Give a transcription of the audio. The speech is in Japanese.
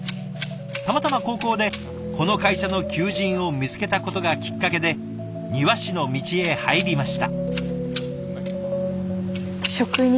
たまたま高校でこの会社の求人を見つけたことがきっかけで庭師の道へ入りました。